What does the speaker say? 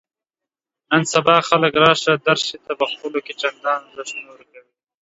نن سبا خلک راشه درشې ته په خپلو کې چندان ارزښت نه ورکوي.